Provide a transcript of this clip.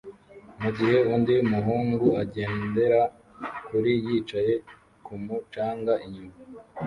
mugihe undi muhungu agendera kuri yicaye kumu canga inyuma